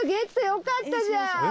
よかったじゃん！